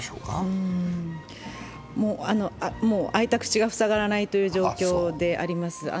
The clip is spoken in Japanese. もう、開いた口が塞がらないという状況であります。